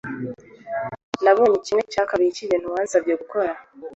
Nabonye kimwe cya kabiri cyibintu wansabye kubona